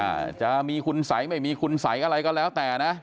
อาจจะมีคุณสัยไม่มีคุณสัยอะไรก็แล้วแต่นะ